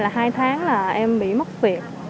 là hai tháng là em bị mất việc